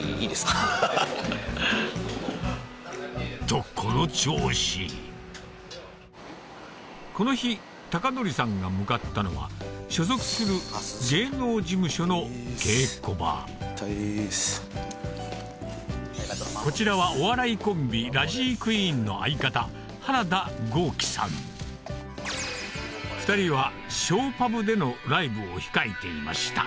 とこの調子この日孝法さんが向かったのは所属する芸能事務所のこちらはお笑いコンビラジークイーンの２人はショーパブでのライブを控えていました